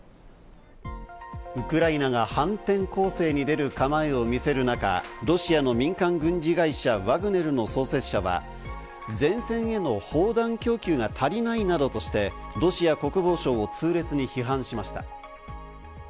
ウクライナが反転攻勢に出る構えを見せる中、ロシアの民間軍事会社・ワグネルの創設者は、前線への砲弾供給が足りないなどとして、ロシア国防省を痛烈に批判しました。